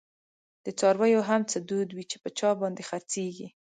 دڅارویو هم څه دود وی، چی په چا باندی خرڅیږی